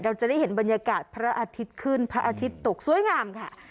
เราจะได้เห็นบรรยากาศพระอาทิตย์ขึ้นพระอาทิตย์ตกสวยงามค่ะ